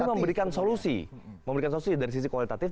itu memberikan solusi memberikan solusi dari sisi kualitatif